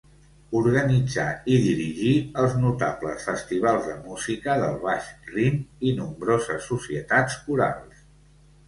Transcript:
Organitzà i dirigí els notables festivals de música del Baix Rin i nombroses societats corals.